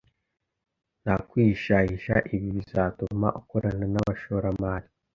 nta kwihishahisha, ibi bizatuma ukorana n’abashoramali